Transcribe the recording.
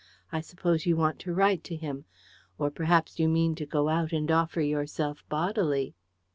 I suppose you want to write to him. Or perhaps you mean to go out and offer yourself bodily."